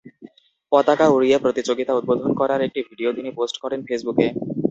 পতাকা উড়িয়ে প্রতিযোগিতা উদ্বোধন করার একটি ভিডিও তিনি পোস্ট করেন ফেসবুকে।